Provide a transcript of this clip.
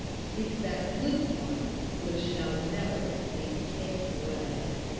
Seek that good part which shall never be taken away."